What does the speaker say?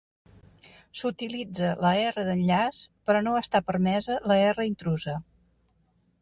S'utilitza la R d'enllaç, però no està permesa la R intrusa.